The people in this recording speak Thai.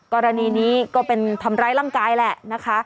กรณีนี้ก็เป็นทำร้ายร่างกายแหละนะคะ